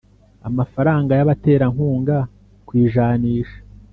amafaranga y abaterankunga ku ijanisha